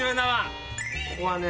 ここはね